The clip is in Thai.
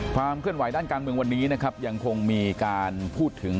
ความเคลื่อนไหวด้านการเมืองวันนี้นะครับยังคงมีการพูดถึง